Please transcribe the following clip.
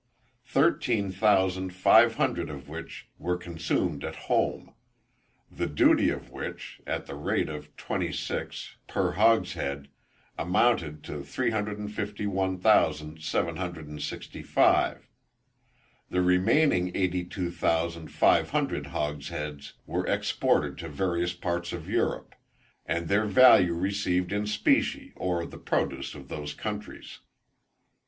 Thirteen thousand five hundred of which were consumed at home; the duty of which, at the rate of 26_l._ 1_s._ per hogshead, amounted to 351,765_l._ The remaining eighty two thousand, five hundred hogsheads were exported to various parts of Europe, and their value received in specie, or the produce of those countries.